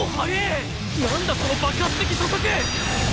なんだその爆発的初速！